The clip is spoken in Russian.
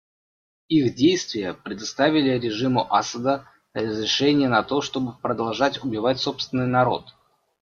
Их действия предоставили режиму Асада разрешение на то, чтобы продолжать убивать собственный народ.